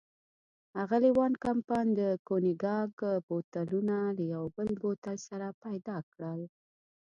اغلې وان کمپن د کونیګاک بوتلونه له یو بل بوتل سره پيدا کړل.